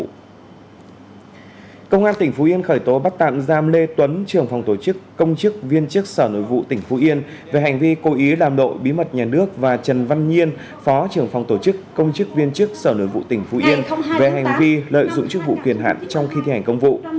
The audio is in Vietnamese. cơ quan an ninh điều tra công an tỉnh phú yên vừa khởi tố bắt tạm giam thêm hai cán bộ sở nội vụ tỉnh phú yên về hành vi cố ý làm lộ bí mật nhà nước và lợi dụng chức vụ quyền hạn trong khi thi hành công vụ